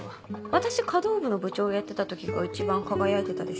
私華道部の部長をやってた時が一番輝いてたでしょ？